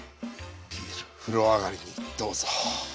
ビール風呂上がりにどうぞ！